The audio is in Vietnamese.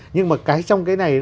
nhưng mà cái trong cái này